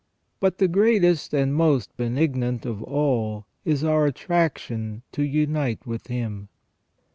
But the greatest and most benignant of all is our attraction to unite with Him.